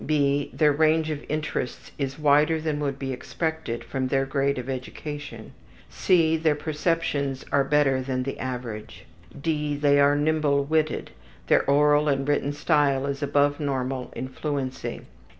(b) Their range of interests is wider than would be expected from their grade of education. (c) Their perceptions are better than the average. (d) They are nimble witted. Their oral and written style is above normal in fluency.